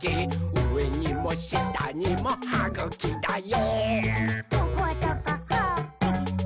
うえにもしたにもはぐきだよ！」